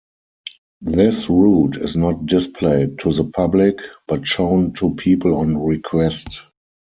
This root is not displayed to the public, but shown to people on request.